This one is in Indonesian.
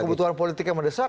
kebutuhan politik yang mendesak